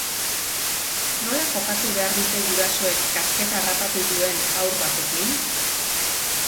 Nola jokatu behar dute gurasoek kasketa harrapatu duen haru batekin?